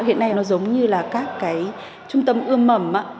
hiện nay nó giống như là các cái trung tâm ưm mẩm